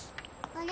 あれ？